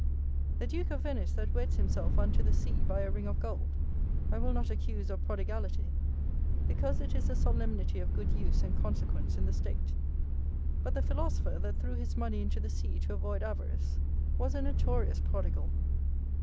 The duke of Venice, that weds himself unto the sea, by a ring of gold, I will not accuse of prodigality, because it is a solemnity of good use and consequence in the state: but the philosopher, that threw his money into the sea to avoid avarice, was a notorious prodigal.